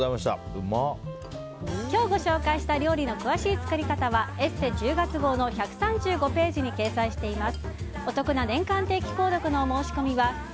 今日ご紹介した料理の詳しい作り方は「ＥＳＳＥ」１０月号の１３５ページに掲載しています。